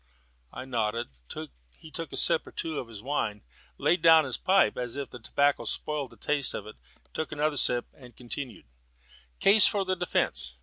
I nodded; he took a sip or two at his wine, laid down his pipe as if the tobacco spoiled the taste of it, took another sip, and continued: "Case for the defence.